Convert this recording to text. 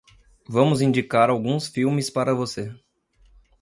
Vamos indicar alguns filmes para você.